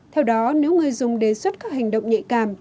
theo đó nếu người dùng đề xuất các hành động nhạy cảm